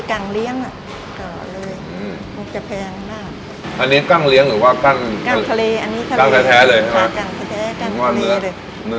กลางคะเลอันนี้กลางแถวแท้เลยใช่ไหมค่ะกลางแถวแท้กลางคะเลคือว่าเนื้อ